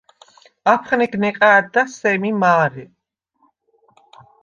აფხნეგ ნეყა̄̈დდა სემი მა̄რე.